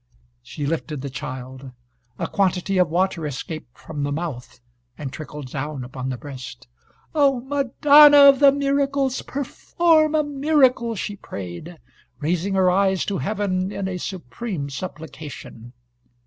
She lifted the child; a quantity of water escaped from the mouth and trickled down upon the breast. "O Madonna of the Miracles, perform a miracle!" she prayed, raising her eyes to heaven in a supreme supplication.